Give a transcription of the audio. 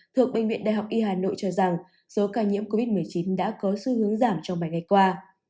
thượng bệnh viện đại học y hà nội cho rằng số ca nhiễm covid một mươi chín đã có xu hướng giảm trong vài ngày qua